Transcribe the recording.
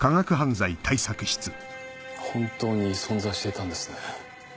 本当に存在していたんですね